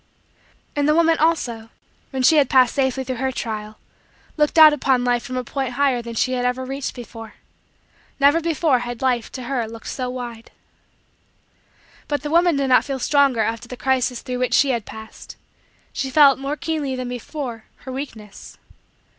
And the woman, also, when she had passed safely through her trial, looked out upon Life from a point higher than she had ever reached before. Never before had Life, to her, looked so wide. But the woman did not feel stronger after the crisis through which she had passed; she felt, more keenly than before, her weakness.